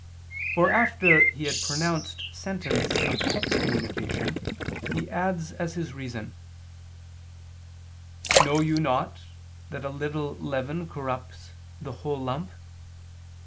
For after he had pronounced sentence of excommunication, he adds as his reason: "Know you not that a little leaven corrupts the whole lump?"